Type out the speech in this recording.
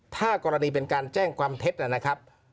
ถ้ากรณีเป็นการแจ้งความเท็จนะครับ